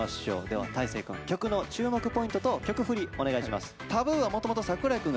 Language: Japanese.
では大晴くん曲の注目ポイントと曲振りお願いします。